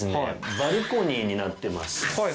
バルコニーになってます。